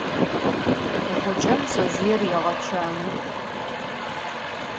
Ğuç'em şsezjıêr yêğeçanı.